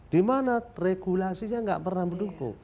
dimana regulasinya gak pernah mendukung